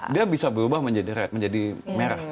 dia bisa berubah menjadi red menjadi merah